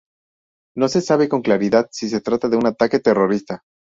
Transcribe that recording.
No se sabe con claridad si se trata de un ataque terrorista.